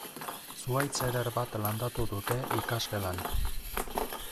Zuhaitz eder bat landatu dute ikasgelan.